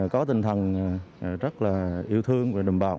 có tinh thần rất là yêu thương về đồng bào